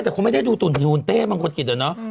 ก็ไม่ได้ดูตุ่นพิฮุนเต้บางคนกินเหรอเนอะ